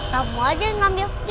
kamu aja yang ambil